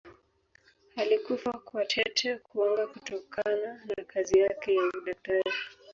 alikufa kwa tete kuwanga kutokana na kazi yake ya udaktari